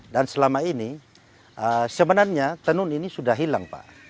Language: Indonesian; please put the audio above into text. dan selama ini sebenarnya tenun ini sudah hilang pak